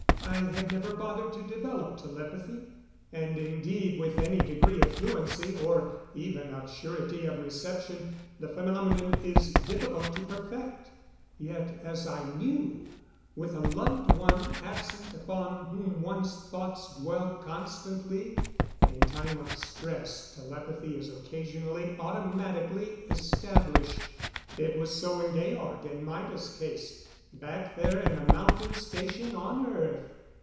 I had never bothered to develop telepathy; and indeed with any degree of fluency or even of surety of reception the phenomenon is difficult to perfect. Yet, as I knew, with a loved one absent upon whom one's thoughts dwell constantly in time of stress telepathy is occasionally automatically established. It was so in Georg and Maida's case, back there in the Mountain Station on Earth.